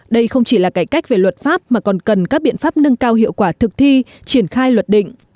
đây không chỉ là cải cách về luật pháp mà còn cần các biện pháp nâng cao hiệu quả thực thi triển khai luật định